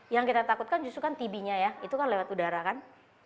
yang kita takutkan justru kan tb nya ya itu kan lewat udara kan